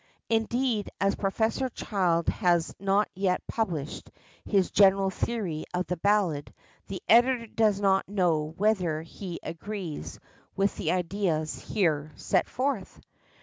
Indeed, as Professor Child has not yet published his general theory of the Ballad, the editor does not know whether he agrees with the ideas here set forth.